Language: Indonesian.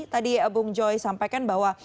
tadi bung joy sampaikan bahwa